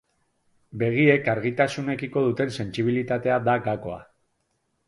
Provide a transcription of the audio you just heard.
Begiek argitasunekiko duten sentsibilitatea da gakoa.